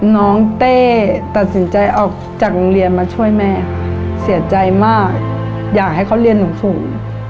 เต้ตัดสินใจออกจากโรงเรียนมาช่วยแม่ค่ะเสียใจมากอยากให้เขาเรียนหนูสูง